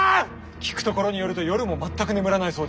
聞くところによると夜も全く眠らないそうで。